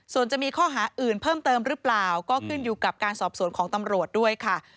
ส่วนจะมีข้อหาอื่นเพิ่มเติมหรือเปล่าก็ขึ้นอยู่กับการสอบสวนของตำรวจด้วยค่ะ